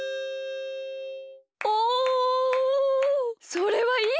それはいい